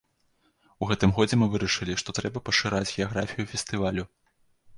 У гэтым годзе мы вырашылі, што трэба пашыраць геаграфію фестывалю.